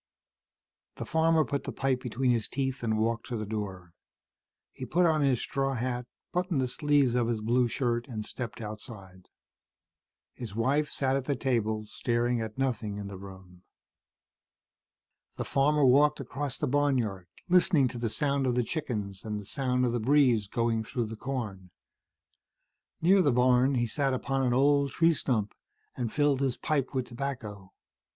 The farmer put the pipe between his teeth and walked to the door. He put on his straw hat, buttoned the sleeves of his blue shirt and stepped outside. His wife sat at the table, staring at nothing in the room. The farmer walked across the barnyard, listening to the sound of the chickens and the sound of the breeze going through the corn. Near the barn, he sat upon an old tree stump and filled his pipe with tobacco.